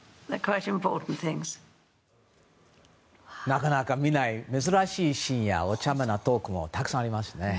なかなか見ない珍しいシーンやお茶目なトークもたくさんありますね。